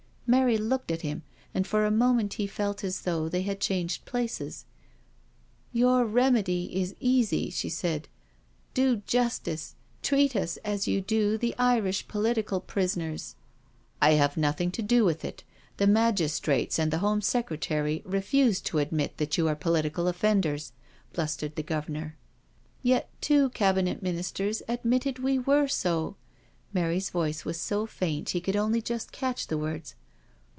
Mary looked at him, and for a moment he felt as though they had changed places. " Your remedy is easy/' she said. Do justice — treat us as you do the Irish political prisoners. *' I have nothing to do with it— the magistrates and the Home Secretary refuse to admit that you are political offenders,'* bluirtered the Governor. " Yet two Cabinet Ministers admitted we were so.*' Mary's voice was so faint he could only just catch the words.